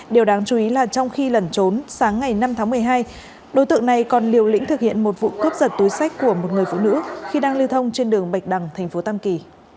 điều đáng chú ý là trong khi lẩn trốn sáng ngày năm tháng một mươi hai đối tượng này còn liều lĩnh thực hiện một vụ cướp giật túi sách của một người phụ nữ khi đang lưu thông trên đường bạch đằng tp tam kỳ